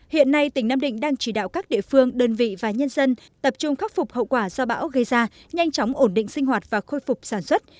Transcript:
hiện nay tỉnh nam định đang chỉ đạo các địa phương đơn vị và nhân dân tập trung khắc phục hậu quả do bão gây ra nhanh chóng ổn định sinh hoạt và khôi phục sản xuất